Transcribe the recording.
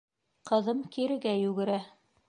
Ҡыҙым кирегә югерә.